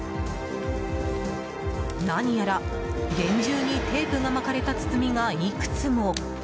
何やら厳重にテープが巻かれた包みがいくつも。